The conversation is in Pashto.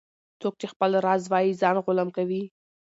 - څوک چي خپل راز وایې ځان غلام کوي.